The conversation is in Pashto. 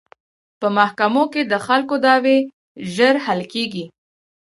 په محکمو کې د خلکو دعوې ژر حل کیږي.